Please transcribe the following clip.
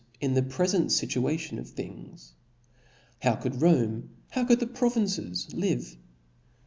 "^ in the prefent fituatim of things. How could C) Tacit ^^ Rome^ bow could the provinces^ live?